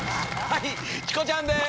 はいチコちゃんです！